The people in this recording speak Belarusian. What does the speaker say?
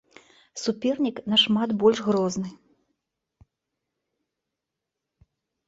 Супернік нашмат больш грозны.